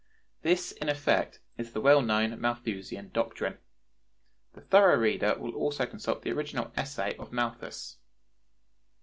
This, in effect, is the well known Malthusian doctrine. The thorough reader will also consult the original "Essay" of Malthus.